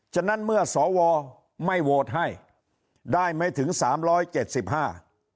ฉะนั้นเมื่อสวไม่โหวตให้ได้ไม่ถึงสามร้อยเจ็ดสิบห้า